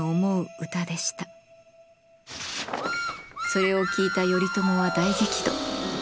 それを聞いた頼朝は大激怒。